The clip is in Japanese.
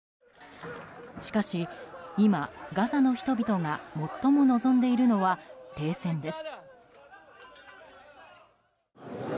しかし今、ガザの人々が最も望んでいるのは停戦です。